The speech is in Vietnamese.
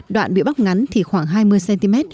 đoạn bị bóc ngắn thì khoảng hai mươi cm